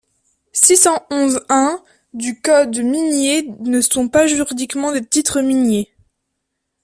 six cent onze-un du code minier ne sont pas juridiquement des titres miniers.